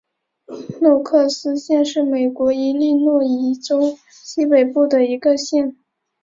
诺克斯县是美国伊利诺伊州西北部的一个县。